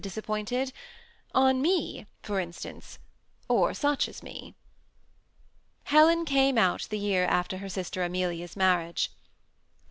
disappointed — on me, for instance, or such as me ? Helen came out the year after her sister Amelia's marriage.